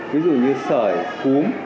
ví dụ như sởi cúm